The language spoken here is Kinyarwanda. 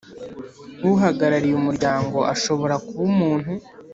Uhagarariye Umuryango ashobora kuba umuntu